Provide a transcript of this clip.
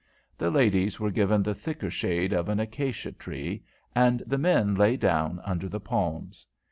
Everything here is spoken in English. The ladies were given the thicker shade of an acacia tree, and the men lay down under the palms.